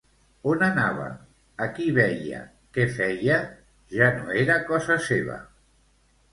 On anava, a qui veia, què feia ja no era cosa seva.